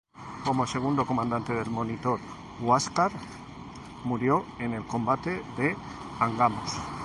Como segundo comandante del monitor "Huáscar", murió en el combate de Angamos.